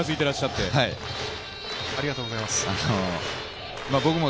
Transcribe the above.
ありがとうございます。